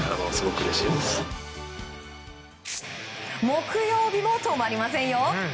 木曜日も止まりませんよ。